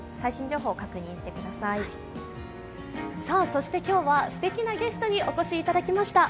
そして今日はすてきなゲストにお越しいただきました。